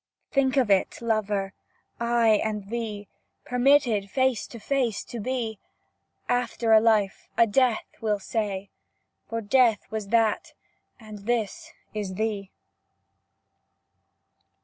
Think of it, lover! I and thee Permitted face to face to be; After a life, a death we'll say, For death was that, and this is thee.